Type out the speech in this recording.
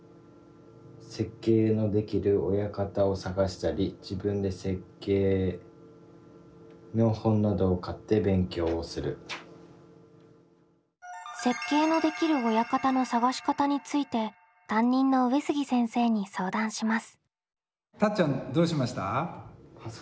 それでは設計のできる親方の探し方について担任の上杉先生に相談します。